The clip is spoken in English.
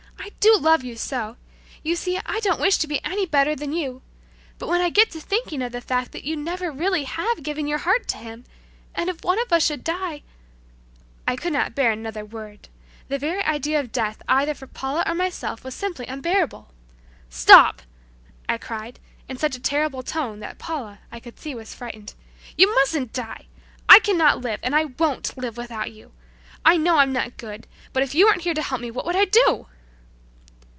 I do love you so! You see, I don't wish to seem to be any better than you but when I get thinking of the fact that you never really have given your heart to Him, and if one of us should die " I could not bear another word. The very idea of death either for Paula or myself was simply unbearable. "Stop!" I cried, in such a terrible tone that Paula, I could see, was frightened. "You mustn't die! I cannot live, and I won't live without you! I know I'm not good, but if you weren't here to help me what would I do?"